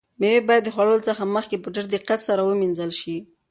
مېوې باید د خوړلو څخه مخکې په ډېر دقت سره ومینځل شي.